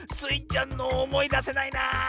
ちゃんのおもいだせないなあ。